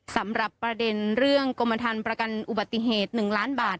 สำหรับประเด็นเรื่องกรมฐานประกันอุบัติเหตุ๑ล้านบาท